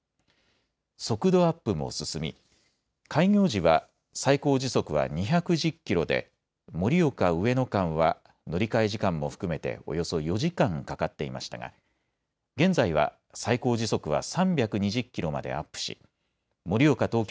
速度アップも進み、開業時は最高時速は２１０キロで盛岡ー上野間は乗り換え時間も含めておよそ４時間かかっていましたが現在は最高時速は３２０キロまでアップし盛岡ー